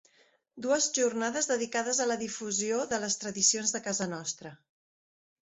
Dues jornades dedicades a la difusió de les tradicions de casa nostra.